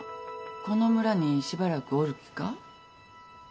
この村にしばらくおる気か？